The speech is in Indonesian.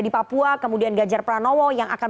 di papua kemudian ganjar pranowo yang akan